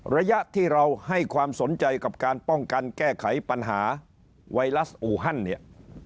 ระยะที่เราให้ความสนใจกับการป้องกันแก้ไขปัญหาไวรัสอูฮันเนี่ย